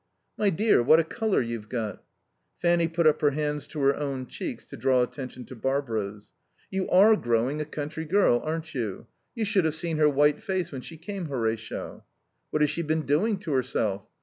"My dear, what a colour you've got!" Fanny put up her hands to her own cheeks to draw attention to Barbara's. "You are growing a country girl, aren't you? You should have seen her white face when she came, Horatio." "What has she been doing to herself?"